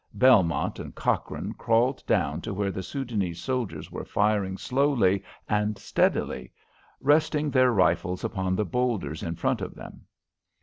Belmont and Cochrane crawled down to where the Soudanese soldiers were firing slowly and steadily, resting their rifles upon the boulders in front of them.